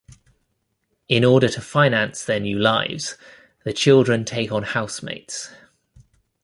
In order to finance their new lives, the children take on housemates.